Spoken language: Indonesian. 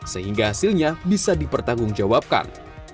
sehingga hasilnya bisa dipertanggungjawabkan